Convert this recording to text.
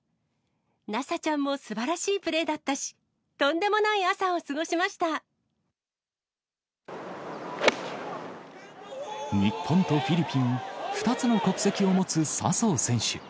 奈紗ちゃんもすばらしいプレーだったし、とんでもない朝を過ごし日本とフィリピン、２つの国籍を持つ笹生選手。